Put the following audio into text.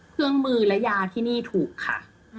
เครื่องมือและยาที่นี่ถูกค่ะ